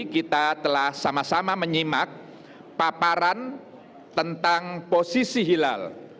kita telah sama sama menyimak paparan tentang posisi hilal